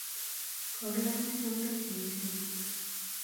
kokilany tulondok cheechen amut